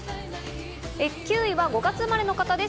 ９位は５月生まれの方です。